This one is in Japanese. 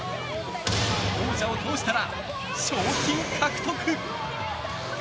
王者を倒したら賞金獲得。